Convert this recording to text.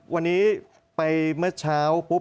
วันนี้ไปเมื่อเช้า